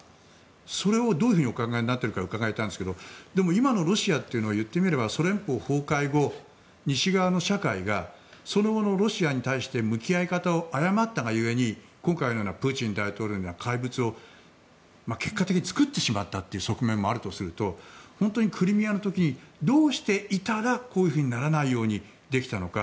それをどういうふうにお考えになっているか伺いたいんですが今のロシアというのは言ってみればソ連邦崩壊後西側の社会がその後のロシアに対して向き合い方を誤ったが故に今回のようなプーチン大統領のような怪物を結果的に作ってしまったという側面もあるとすると本当にクリミアの時どうしていたらこういうふうにならないようにできたのか。